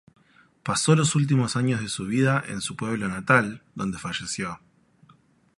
Pasó los últimos años de su vida en su pueblo natal, donde falleció.